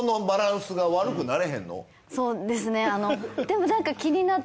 そうですねあの。